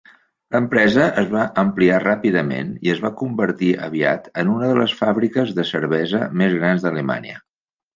L'empresa es va ampliar ràpidament i es va convertir aviat en una de les fàbriques de cervesa més grans d'alemanya.